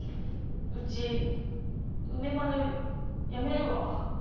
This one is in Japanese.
ウチ梅丸やめるわ。